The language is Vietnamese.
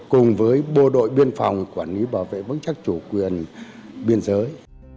cùng với bộ đội biên phòng quản lý bảo vệ vững chắc chủ quyền biên giới